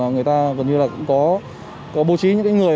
người ta gần như là cũng có bố trí những người